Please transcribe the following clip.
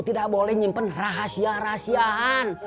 tidak boleh nyimpen rahasia rahasiaan